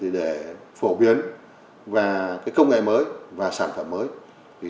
để phổ biến về công nghệ mới và sản phẩm mới